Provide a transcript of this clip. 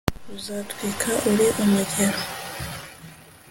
uzatwika ari umugero,